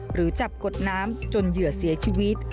หรือจับกดน้ำจนเหยื่อเสียชีวิต